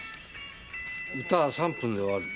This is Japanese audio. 歌は３分で終わる。